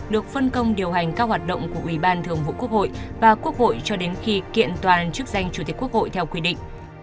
được phân công điều hành các hoạt động của ủy ban thường vụ quốc hội và quốc hội cho đến khi kiện toàn chức danh chủ tịch quốc hội theo quy định